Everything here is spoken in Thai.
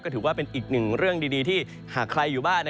ถือว่าเป็นอีกหนึ่งเรื่องดีที่หากใครอยู่บ้าน